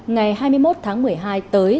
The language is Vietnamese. ngày hai mươi một tháng một mươi hai tới